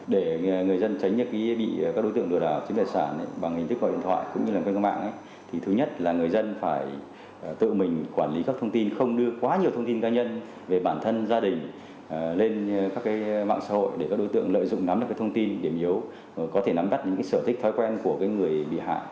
để người dân tránh những cái bị các đối tượng lừa đảo trên đại sản bằng hình thức gọi điện thoại cũng như làm quen qua mạng ấy thì thứ nhất là người dân phải tự mình quản lý các thông tin không đưa quá nhiều thông tin ca nhân về bản thân gia đình lên các cái mạng xã hội để các đối tượng lợi dụng nắm được cái thông tin điểm yếu có thể nắm đắt những cái sở thích thói quen của cái người bị hại